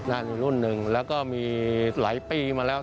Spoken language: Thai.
นั่นรุ่นหนึ่งแล้วก็มีหลายปีมาแล้ว